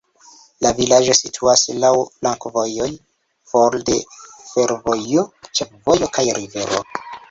La vilaĝo situas laŭ flankovojoj, for de fervojo, ĉefvojo kaj rivero.